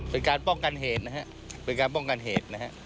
เป็นการป้องกันเหตุนะฮะเป็นการป้องกันเหตุนะฮะ